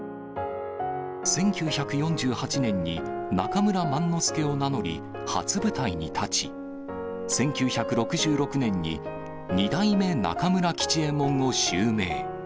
１９４８年に中村萬之助を名乗り、初舞台に立ち、１９６６年に二代目中村吉右衛門を襲名。